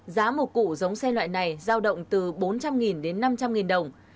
giá một cụ giống xe loại này giao động từ bốn trăm linh đến năm trăm linh đồng